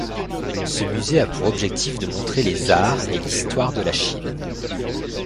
Ce musée a pour objectif de montrer les arts et l'histoire de la Chine.